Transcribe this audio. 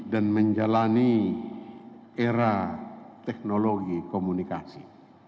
dan menjalani era teknologi komunikasi